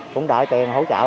cũng đợi tiền hỗ trợ